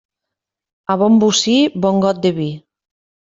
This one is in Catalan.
A bon bocí, bon got de vi.